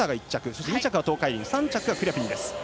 そして２着が東海林３着がクリャビンです。